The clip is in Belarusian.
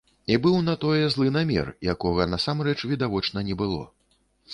І быў на тое злы намер, якога насамрэч, відавочна, не было.